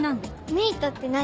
メイトって何？